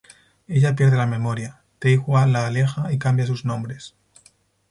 Ella pierde la memoria, Tae Hwa la aleja y cambia sus nombres.